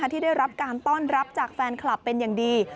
ที่ได้รับการต้อนรับจากแฟนคลับเป็นอย่างดี